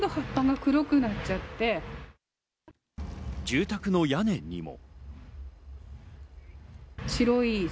住宅の屋根にも。